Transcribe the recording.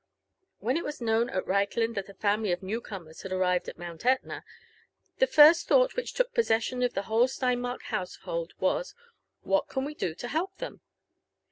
When it was known at Reichland that a family of new comers had arrived at. MountEtna, the first thought which took possession of the whole Steinmark household was —what can we do to help them?"